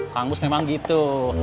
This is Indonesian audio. kang bus memang gitu